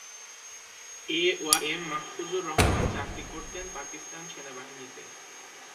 এ Y M Mahfuzur Rahman চাকরি করতেন পাকিস্তান সেনাবাহিনীতে।